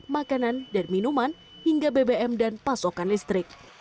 makanan dan minuman hingga bbm dan pasokan listrik